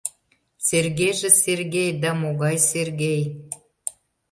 — Сергейже Сергей да могай Сергей?